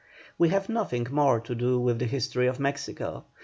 We have nothing more to do with the history of Mexico.